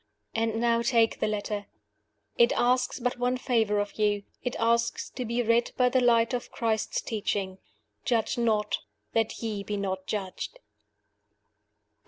And now take the letter. It asks but one favor of you: it asks to be read by the light of Christ's teaching "Judge not, that ye be not judged."